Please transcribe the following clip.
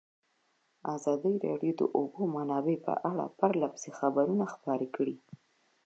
ازادي راډیو د د اوبو منابع په اړه پرله پسې خبرونه خپاره کړي.